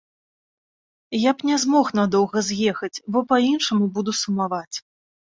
Я б не змог надоўга з'ехаць, бо па-іншаму буду сумаваць.